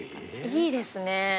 いいですね。